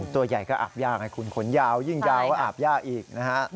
ตัวใหญ่ก็อาบยากคนยาวยิ่งยาวอาบยากอีกนะครับ